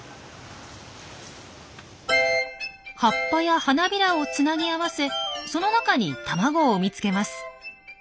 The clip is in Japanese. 葉っぱや花びらをつなぎ合わせその中に卵を産み付けます。